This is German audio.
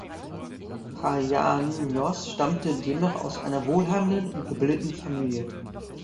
Paianios stammte demnach aus einer wohlhabenden und gebildeten Familie.